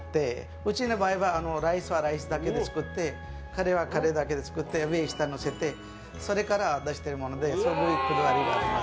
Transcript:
うちの場合はライスはライスだけで作ってカレーはカレーだけで作って上にのせてそれから出してるのですごくこだわりがあります。